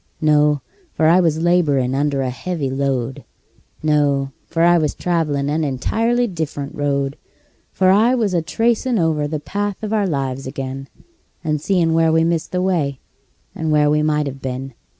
No for I was laborin' under a heavy load; No for I was travelin' an entirely different road; For I was a tracin' over the path of our lives ag'in, And seein' where we missed the way, and where we might have been.